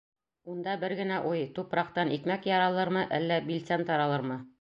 Унда бер генә уй: тупраҡтан икмәк яралырмы, әллә билсән таралырмы?